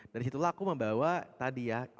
dan disitulah aku membawa tadi ya